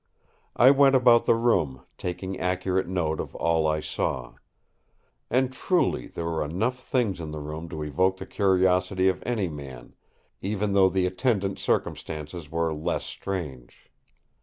I went about the room, taking accurate note of all I saw. And truly there were enough things in the room to evoke the curiosity of any man—even though the attendant circumstances were less strange.